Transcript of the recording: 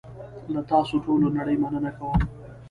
له تاسوټولونړۍ مننه کوم .